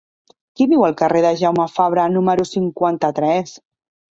Qui viu al carrer de Jaume Fabra número cinquanta-tres?